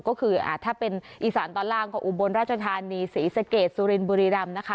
ก็คือถ้าเป็นอีสานตอนล่างก็อุบลราชธานีศรีสะเกดสุรินบุรีรำนะคะ